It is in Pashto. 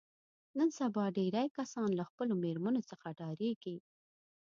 نن سبا ډېری کسان له خپلو مېرمنو څخه ډارېږي.